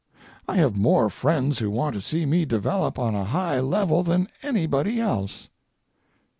I have more friends who want to see me develop on a high level than anybody else.